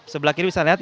sebelah kiri bisa lihat